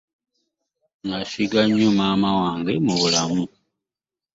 Nasiga nnyo maama wange mu bulamu.